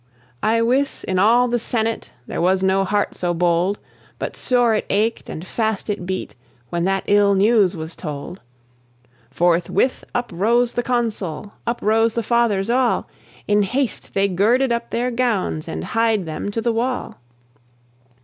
I wis, in all the Senate, There was no heart so bold, But sore it ached, and fast it beat, When that ill news was told. Forthwith up rose the Consul, Up rose the Fathers all; In haste they girded up their gowns, And hied them to the wall.